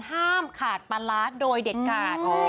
ห้ามขาดปราสโดยเด็ดกาส